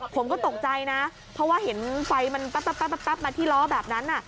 ผมก็ตกใจนะเพราะว่าเห็นไฟมันปั๊บมาที่ล้อแบบนั้น